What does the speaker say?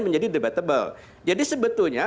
menjadi debatable jadi sebetulnya